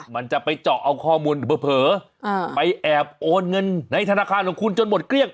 มันจะไปเจาะเอาข้อมูลเผลอไปแอบโอนเงินในธนาคารของคุณจนหมดเกลี้ยง